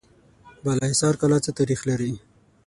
بالاحصار کلا څه تاریخ لري؟